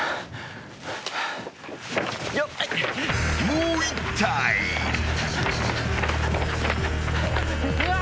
［もう１体］うわ！？